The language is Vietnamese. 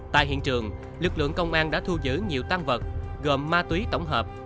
tại hiện trường lực lượng công an đã thu giữ nhiều tăng vật gồm ma túy tổng hợp